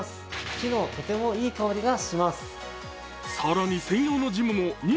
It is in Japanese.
木のとてもいい香りがします。